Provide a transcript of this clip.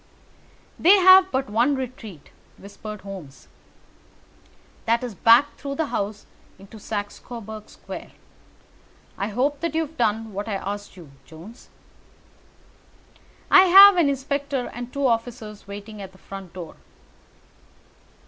"They have but one retreat," whispered Holmes. "That is back through the house into Saxe Coburg Square. I hope that you have done what I asked you, Jones?" "I have an inspector and two officers waiting at the front door."